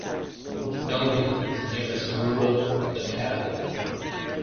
Novy is the nearest rural locality.